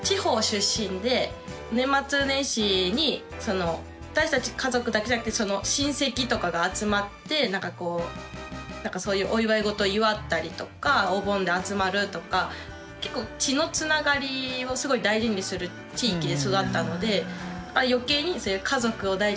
年末年始に私たち家族だけじゃなくて親戚とかが集まってそういうお祝い事を祝ったりとかお盆で集まるとか結構血のつながりをすごい大事にする地域で育ったので余計に私の幸せにおいてはとっても重要。